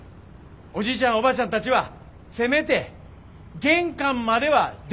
おじいちゃんおばあちゃんたちはせめて玄関までは出てきてください。